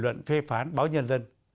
một bình luận phê phán báo nhân dân